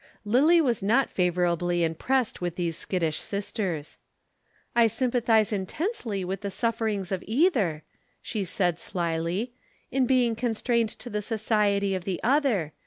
Lillie was not favorably impressed with these skittish sisters. "I sympathize intensely with the sufferings of either," she said slily, "in being constrained to the society of the other.